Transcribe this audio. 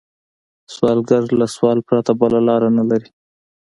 سوالګر له سوال پرته بله لار نه لري